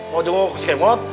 mau tengok si kemot